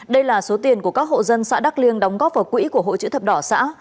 đây là số tiền của các hộ dân xã đắk liêng đóng góp vào quỹ của hội chữ thập đỏ xã